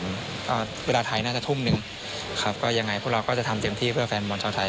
ก็เวลาไทยน่าจะทุ่มหนึ่งครับก็ยังไงพวกเราก็จะทำเต็มที่เพื่อแฟนบอลชาวไทย